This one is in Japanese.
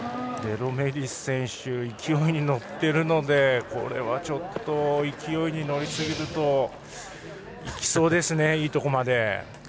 デロメディス選手は勢いに乗っているのでちょっと、勢いに乗りすぎるといきそうですね、いいところまで。